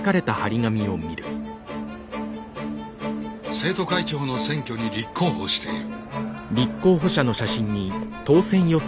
生徒会長の選挙に立候補している。